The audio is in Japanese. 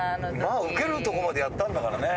受けるとこまでやったんだからね。